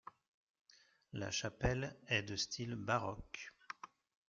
La chapelle est de style baroque.